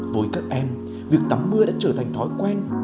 với các em việc tắm mưa đã trở thành thói quen